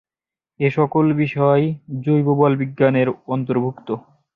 এসকল বিষয় জৈব বলবিজ্ঞানের অন্তর্ভুক্ত।